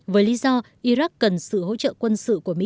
với lý do iraq cần sự hỗ trợ quân sự